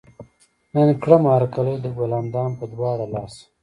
نن کړمه هر کلے د ګل اندام پۀ دواړه لاسه